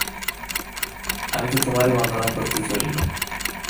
আমি তোমারই বন্দনা করতে চললুম।